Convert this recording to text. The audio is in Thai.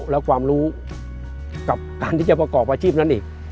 และความรู้กับการที่จะประกอบอาชีพนั้นอีก